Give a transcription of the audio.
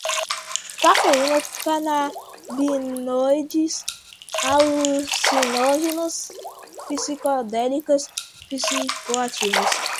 cafeína, canabinoides, alucinógenas, psicodélicas, psicoativos